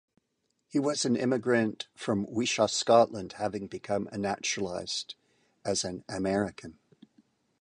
He was an immigrant from Wishaw, Scotland, having become a naturalized as an American.